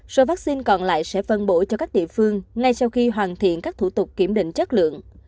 số vaccine còn lại sẽ phân bổ cho các địa phương ngay sau khi hoàn thiện các thủ tục kiểm định chất lượng